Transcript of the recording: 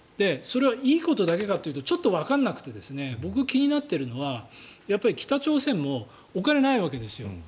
それはいいことかというとちょっとわからなくて僕が気になっているのは北朝鮮もお金がないわけですよ。